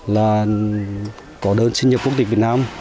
là có đơn sinh nhập quốc tịch việt nam